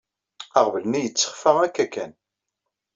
Aɣbel-nni yettexfa akka kan.